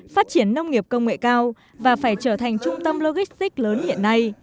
phát triển nông nghiệp công nghệ cao và phải trở thành trung tâm logistic lớn hiện nay